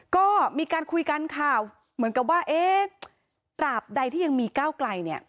ก็มีการคุยกันค่ะเหมือนกับว่าเอ๊ะตราบใดที่ยังมีก้าวไกลเนี่ย